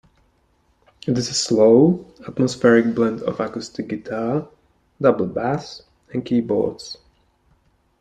It is a slow, atmospheric blend of acoustic guitar, double bass and keyboards.